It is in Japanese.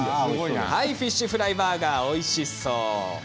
はいフィッシュフライバーガーおいしそう。